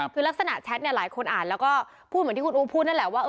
คือลักษณะแชทหลายคนอ่านแล้วก็พูดเหมือนที่คุณอู๋พูดนั่นแหละว่า